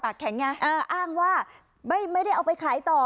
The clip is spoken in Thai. แข็งไงเอออ้างว่าไม่ได้เอาไปขายต่อ